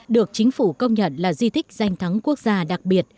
được chính phủ công nhận là di thích danh thắng quốc gia đặc biệt